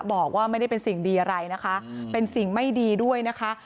บอกว่าไม่ได้เป็นสิ่งดีอะไรนะคะเป็นสิ่งไม่ดีด้วยนะคะ